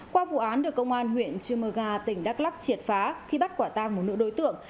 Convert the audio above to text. qua vụ án được công an huyện chumaga tỉnh đắk lắc triệt phá khi bắt quả tang một nữ đối tượng